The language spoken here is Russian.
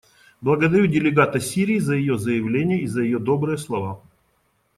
Благодарю делегата Сирии за ее заявление и за ее добрые слова.